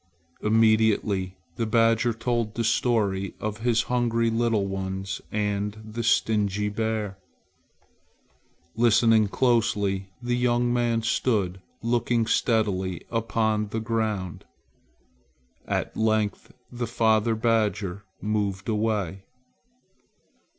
Immediately the badger told the sad story of his hungry little ones and the stingy bear. Listening closely the young man stood looking steadily upon the ground. At length the father badger moved away.